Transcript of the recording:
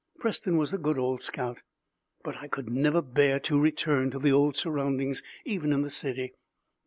Preston was a good old scout! But I could never bear it to return to the old surroundings, even in the city.